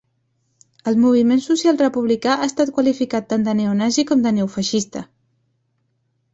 El Moviment Social Republicà ha estat qualificat tant de neonazi com de neofeixista.